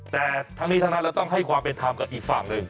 แต่ทั้งนี้ทั้งนั้นเราต้องให้ความเป็นธรรมกับอีกฝั่งหนึ่ง